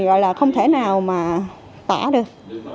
thì gọi là không thể nào mà tỏa được